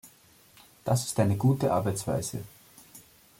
Das ist eine gute Arbeitsweise.